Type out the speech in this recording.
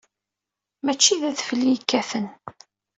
Mačči d adfel i yekkaten.